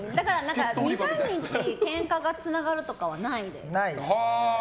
２３日けんかがつながるとかはないです。